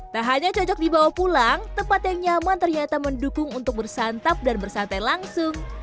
tak hanya cocok dibawa pulang tempat yang nyaman ternyata mendukung untuk bersantap dan bersantai langsung